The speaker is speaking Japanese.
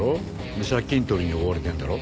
で借金取りに追われてるんだろ？